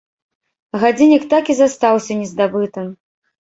Гадзіннік так і застаўся не здабытым.